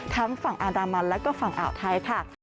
ฝั่งอันดามันและก็ฝั่งอ่าวไทยค่ะ